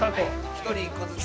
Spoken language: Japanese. １人１個ずつ。